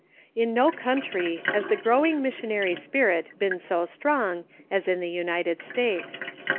] In no country has the growing missionary spirit been so strong as in the United States.